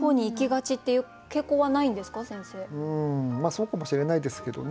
そうかもしれないですけどね。